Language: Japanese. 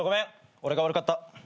俺が悪かった。